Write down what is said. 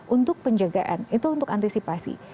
untuk penjagaan itu untuk antisipasi